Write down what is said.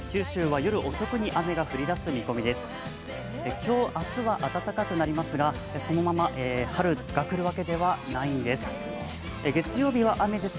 今日、明日は暖かくなりますが、そのまま春が来るわけではないんです。